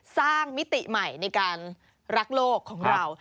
มิติใหม่ในการรักโลกของเรา